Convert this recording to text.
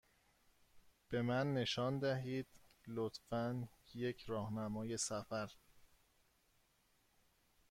به من نشان دهید، لطفا، یک راهنمای سفر.